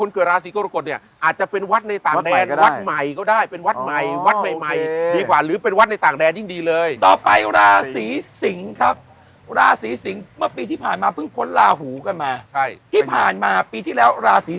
พฤษภปก็ต้องไปทำบุญอยู่ใบบราว